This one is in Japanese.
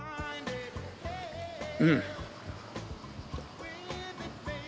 うん。